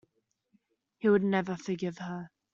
He would never forgive her.